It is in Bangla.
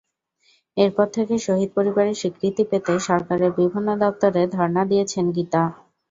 এরপর থেকে শহীদ পরিবারের স্বীকৃতি পেতে সরকারের বিভিন্ন দপ্তরে ধরনা দিয়েছেন গীতা।